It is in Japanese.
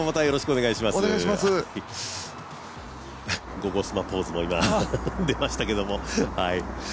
「ゴゴスマ」ポーズも今、出ましたけれども。